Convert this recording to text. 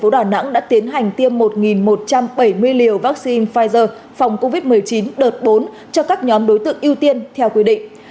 cũng vào ngày hôm nay tp hcm đã tiến hành tiêm một một trăm bảy mươi liều vaccine pfizer phòng covid một mươi chín đợt bốn cho các nhóm đối tượng ưu tiên theo quy định